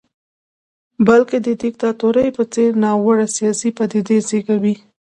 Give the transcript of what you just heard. بلکې د دیکتاتورۍ په څېر ناوړه سیاسي پدیدې زېږوي.